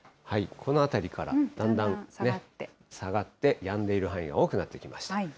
この辺りからだんだん下がって、やんでいる範囲が多くなってきました。